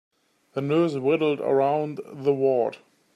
The nurse waddled around the ward.